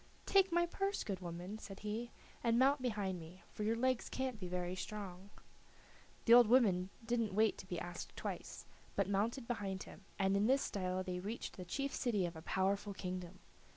"Take my purse, good woman," said he, "and mount behind me, for your legs can't be very strong." The old woman didn't wait to be asked twice, but mounted behind him, and in this style they reached the chief city of a powerful kingdom.